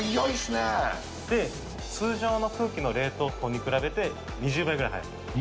通常の空気の冷凍庫に比べて、２０倍ぐらい？